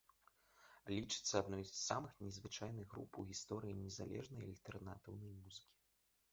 Лічыцца адной з самых незвычайных груп у гісторыі незалежнай альтэрнатыўнай музыкі.